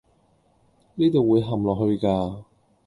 呢度會陷落去㗎